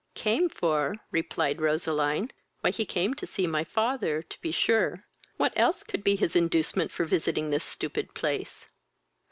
"Came for? (replied Roseline,) why he came to see my father to be sure; what else could be his inducement for visiting this stupid place?"